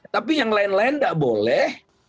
tapi yang lain lain tidak boleh